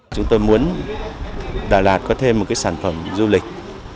chúng tôi muốn đà lạt có thêm một sản phẩm du lịch